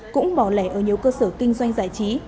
cũng bỏ lẻ ở nhiều cơ sở kinh doanh giải trí